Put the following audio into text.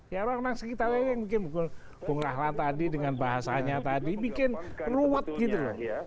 ya orang orang sekitarnya yang bikin bongkalan tadi dengan bahasanya tadi bikin ruwet gitu loh